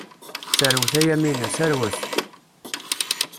Serwet a Yamina, serwet!